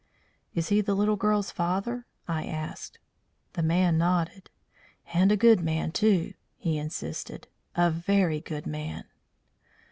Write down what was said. "Is he the little girl's father?" I asked. The man nodded. "And a good man, too," he insisted. "A very good man."